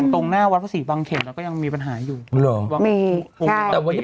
ตรงหน้าวัดพระศรีบังเข็มก็ยังมีปัญหาอยู่มีแต่วันนี้